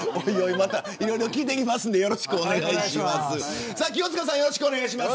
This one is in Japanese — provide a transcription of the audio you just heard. またいろいろ聞いていきますのでよろしくお願いします。